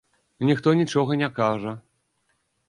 Ніхто нічога не кажа.